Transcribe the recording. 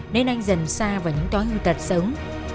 nên anh dần xa vào những tói hưu tật sống